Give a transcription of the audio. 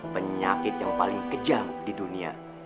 penyakit yang paling kejam di dunia